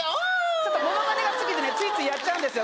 ちょっとモノマネが好きでねついついやっちゃうんですよ